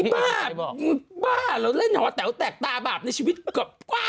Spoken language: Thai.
พี่บ้ายบ้ายเราเล่นหอแซวแตกต่าบาปในชีวิตกว๊าย